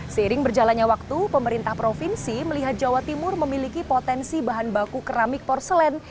seiring berjalannya waktu pemerintah provinsi melihat jawa timur memiliki potensi bahan baku keramik porselen